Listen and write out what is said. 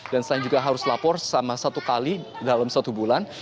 dan selain juga harus lapor sama satu kali dalam satu bulan